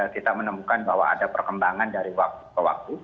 kita menemukan bahwa ada perkembangan dari waktu ke waktu